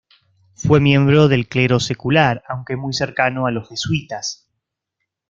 Fue miembro del clero secular, aunque muy cercano a los jesuítas.